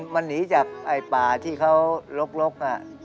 มันหนีจากป่าที่เขาลก